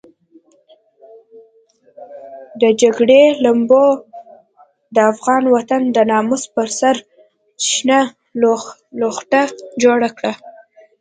د جګړې لمبو د افغان وطن د ناموس پر سر شنه لوخړه جوړه کړه.